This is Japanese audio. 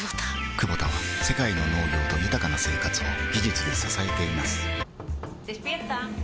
クボタは世界の農業と豊かな生活を技術で支えています起きて。